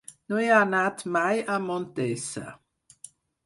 No he anat mai a Montesa.